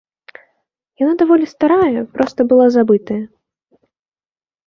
Яна даволі старая, проста была забытая.